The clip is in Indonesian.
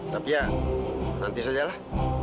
tapi ya nanti sajalah